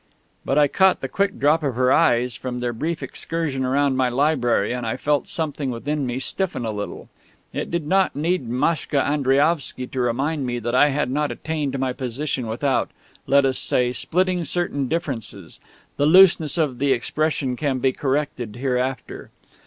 But I caught the quick drop of her eyes from their brief excursion round my library, and I felt something within me stiffen a little. It did not need Maschka Andriaovsky to remind me that I had not attained my position without let us say splitting certain differences; the looseness of the expression can be corrected hereafter.